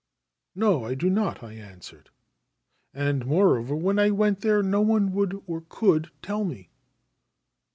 ' No : I do not,' I answered ; c and, moreover, when I went there no one would or could tell me.'